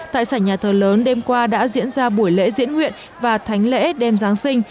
tại sảnh nhà thờ lớn đêm qua đã diễn ra buổi lễ diễn nguyện và thánh lễ đêm giáng sinh